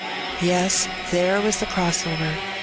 Yes, there was the cross over.